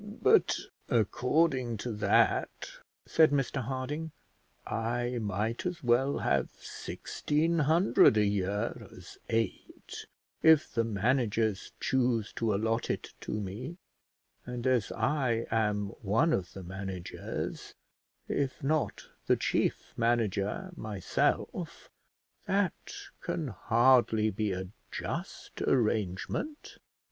"But according to that," said Mr Harding, "I might as well have sixteen hundred a year as eight, if the managers choose to allot it to me; and as I am one of the managers, if not the chief manager, myself, that can hardly be a just arrangement."